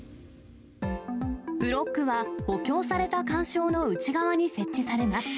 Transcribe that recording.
ブロックは補強された環礁の内側に設置されます。